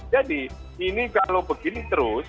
jadi ini kalau begini terus